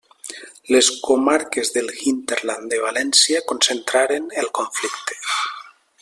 Les comarques del hinterland de València concentraren el conflicte.